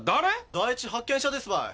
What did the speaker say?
第一発見者ですばい。